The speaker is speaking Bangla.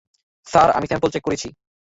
স্যার, আমি স্যাম্পল চেক করেছি।